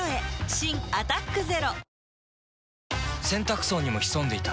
新「アタックＺＥＲＯ」洗濯槽にも潜んでいた。